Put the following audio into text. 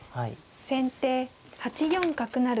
先手８四角成。